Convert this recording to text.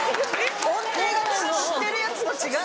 音程が知ってるやつと違う。